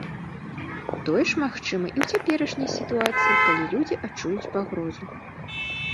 Тое ж магчыма і ў цяперашняй сітуацыі, калі людзі адчуюць пагрозу.